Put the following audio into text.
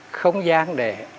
không gian để